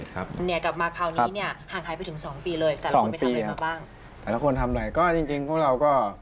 แต่ละคนทำอะไรก็จริงพวกเราก็